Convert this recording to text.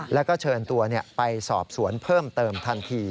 แล้วก็เชิญตัวไปสอบสวนเพิ่มเติมทันที